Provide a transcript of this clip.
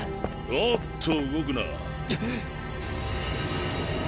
おっと動くな。